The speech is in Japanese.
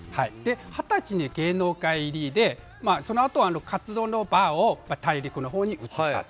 二十歳に芸能界入りでそのあとは活動の場が大陸のほうに移ったと。